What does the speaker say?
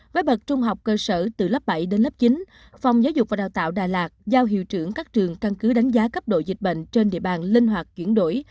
với bậc trung học cơ sở từ lớp bảy đến lớp chín phòng giáo dục và đào tạo đà lạt giao hiệu trưởng các trường căn cứ đánh giá cấp độ dịch bệnh trên địa bàn linh hoạt chuyển đổi